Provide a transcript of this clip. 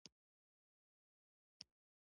مينې په حيرانتيا سره هغوی ته وکتل او سترګې يې ورپولې